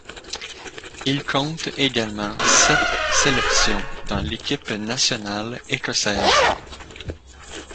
Il compte également sept sélections dans l'équipe nationale écossaise.